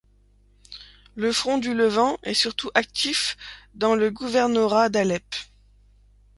Le Front du Levant est surtout actif dans le gouvernorat d'Alep.